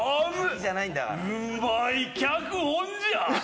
うまい脚本じゃ！